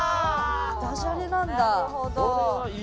ダジャレなんだ！